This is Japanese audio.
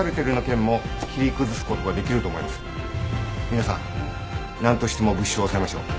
皆さん何としても物証を押さえましょう。